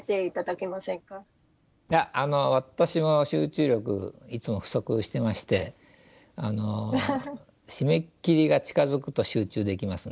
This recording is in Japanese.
いやあの私も集中力いつも不足してまして締め切りが近づくと集中できますね。